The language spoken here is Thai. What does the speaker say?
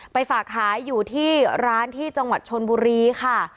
ฝากขายอยู่ที่ร้านที่จังหวัดชนบุรีค่ะ